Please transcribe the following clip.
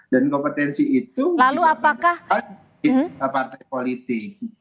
dan kompetensi itu diperlukan oleh partai politik